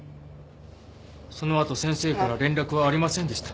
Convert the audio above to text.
そのあと先生から連絡はありませんでした。